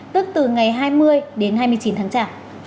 tức từ ngày hai mươi đến hai mươi chín tháng chả